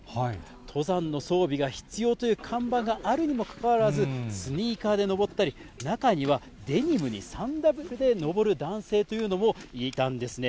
登山の装備が必要という看板があるにもかかわらず、スニーカーで登ったり、中にはデニムにサンダルで登る男性というのもいたんですね。